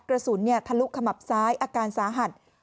กระสุนทะลุขมับซ้ายอาการสาหัส